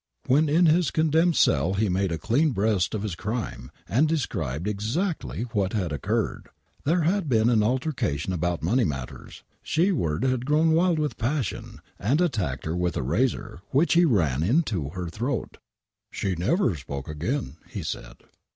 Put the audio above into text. When in bis condemned cell he made a clean breast of his crime and described exactly what had occurred. There had been an altercation about money matters. Sheward had grown wild witb passion, and attacked her with a razor, which he ran into her throat. ^f .L\' A WAINWRIGHT MURDER 19 " She never spoke again," he said.